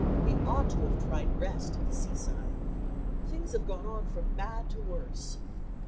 He ought to have tried rest at the seaside. Things have gone on from bad to worse.